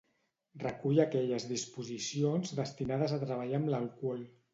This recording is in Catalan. Recull aquelles disposicions destinades a treballar amb l'alcohol.